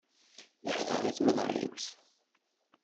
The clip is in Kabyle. Yeḥḍer i tmenɣiwt.